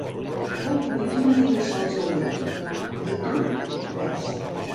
Del proïsme digues sols el bé; de tu, res.